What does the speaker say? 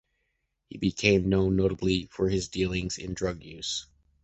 He became known notably for his dealings in drug use.